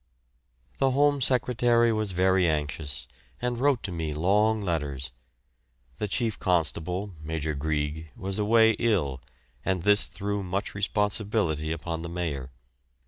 The Home Secretary was very anxious, and wrote to me long letters. The chief constable, Major Greig, was away ill, and this threw much responsibility upon the mayor.